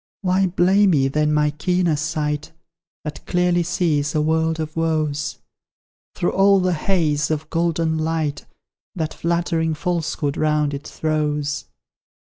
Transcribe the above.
Why blame ye, then, my keener sight, That clearly sees a world of woes Through all the haze of golden light That flattering Falsehood round it throws?